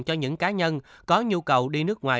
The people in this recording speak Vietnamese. cho những cá nhân có nhu cầu đi nước ngoài